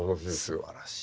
すばらしい。